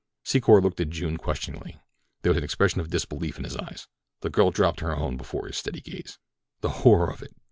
Secor looked at June questioningly. There was an expression of disbelief in his eyes. The girl dropped her own before his steady gaze. The horror of it!